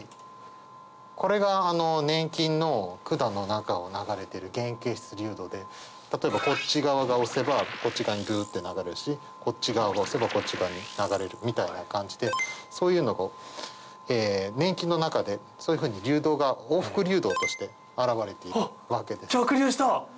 これが粘菌の管の中を流れてる原形質流動で例えばこっち側が押せばこっち側にビュって流れるしこっち側を押せばこっち側に流れるみたいな感じでそういうの粘菌の中で流動が往復流動として現れているわけです。